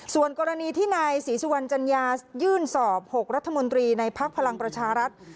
ส่วนกรณีที่นายศรีสุวรรณจัญญายื่นสอบ๖รัฐมนตรีในภักดิ์พลังประชารัฐ